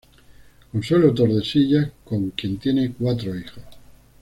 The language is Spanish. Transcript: Consuelo Tordesillas con quien tiene cuatro hijos.